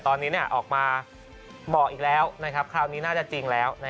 ตอนนี้เนี่ยออกมาเหมาะอีกแล้วนะครับคราวนี้น่าจะจริงแล้วนะ